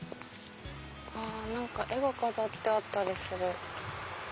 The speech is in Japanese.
何か絵が飾ってあったりする。